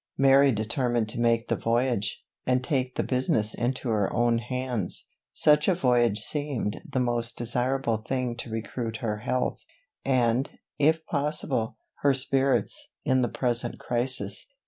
Mary determined to make the voyage, and take the business into her own hands. Such a voyage seemed the most desireable thing to recruit her health, and, if possible, her spirits, in the present crisis.